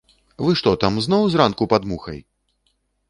Вы што там, зноў зранку пад мухай!